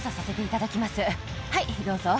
はいどうぞ。